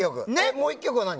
もう１曲は何？